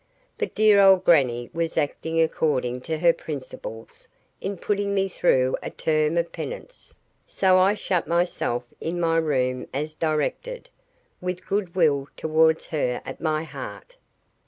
But dear old grannie was acting according to her principles in putting me through a term of penance, so I shut myself in my room as directed, with goodwill towards her at my heart.